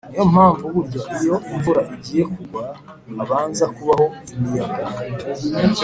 ni yo mpamvu burya iyo imvura igiye kugwa, habanza kubaho imiyaga.